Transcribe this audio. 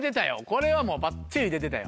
これはもうばっちり出てたよ。